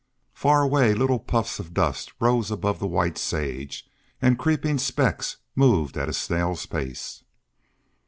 Far away little puffs of dust rose above the white sage, and creeping specks moved at a snail's pace.